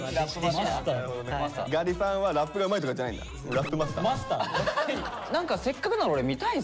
ガリさんはラップがうまいとかじゃないんだ。